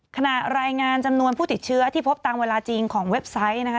รายงานจำนวนผู้ติดเชื้อที่พบตามเวลาจริงของเว็บไซต์นะคะ